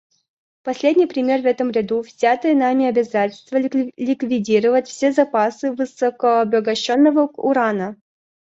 Последний пример в этом ряду — взятое нами обязательство ликвидировать все запасы высокообогащенного урана.